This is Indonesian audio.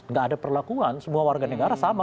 nggak ada perlakuan semua warga negara sama